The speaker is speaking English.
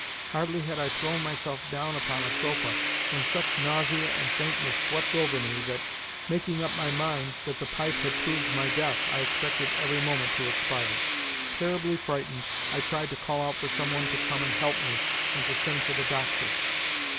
Hardly had I thrown myself down upon a sofa when such nausea and faintness swept over me that, making up my mind that the pipe had proved my death, I expected every moment to expire. Terribly frightened, I tried to call out for some one to come and help me, and to send for the doctor.